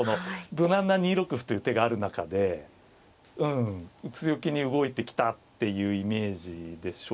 無難な２六歩という手がある中でうん強気に動いてきたっていうイメージでしょうから。